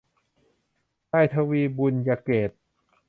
นายทวี บุณยเกตุ